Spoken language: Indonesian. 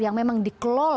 yang memang bisa kita lakukan